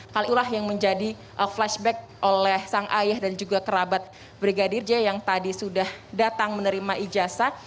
hal itulah yang menjadi flashback oleh sang ayah dan juga kerabat brigadir j yang tadi sudah datang menerima ijasa